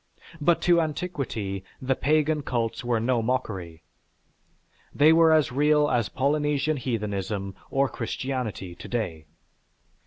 But to antiquity the 'pagan' cults were no mockery. They were as real as Polynesian heathenism or Christianity to day."